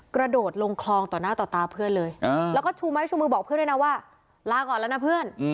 กระโดดลงคลองต่อหน้าต่อตาเพื่อนเลย